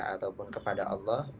ataupun kepada allah